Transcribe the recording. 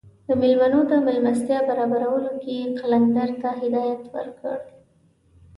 د میلمنو د میلمستیا برابرولو کې یې قلندر ته هدایات ورکړل.